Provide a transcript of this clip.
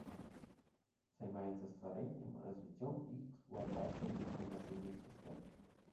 Займаецца стварэннем, развіццём і эксплуатацыяй інфармацыйных сістэм.